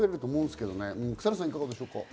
草野さん、いかがですか？